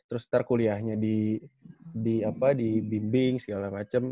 terus ntar kuliahnya di di apa di bimbing segala macem